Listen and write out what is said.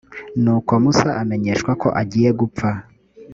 nuko musa amenyeshwa ko agiye gupfa